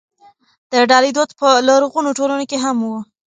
د ډالۍ دود په لرغونو ټولنو کې هم و.